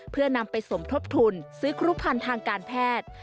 เพื่อนำไปสมทบทุนซื้อครูพันธ์ทางการแพทย์